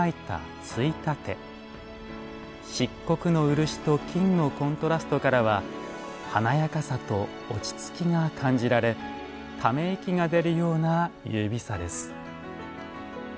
漆黒の漆と金のコントラストからは華やかさと落ち着きが感じられため息が出るような優美さです。